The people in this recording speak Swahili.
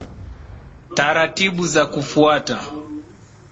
Taratibbu za kufuata